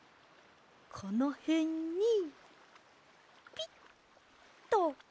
このへんにピッと。